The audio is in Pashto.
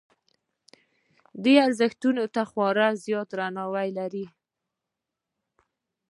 دې ارزښتونو ته خورا زیات درناوی لري.